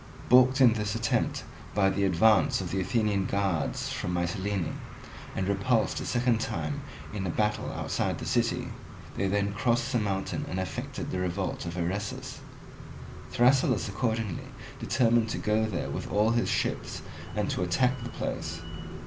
Balked in this attempt by the advance of the Athenian guards from Mitylene, and repulsed a second time in a battle outside the city, they then crossed the mountain and effected the revolt of Eresus. Thrasyllus accordingly determined to go there with all his ships and to attack the place.